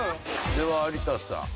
では有田さん。